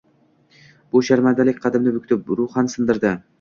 Bu sharmandalik qaddimni bukdi, ruhan sindirdi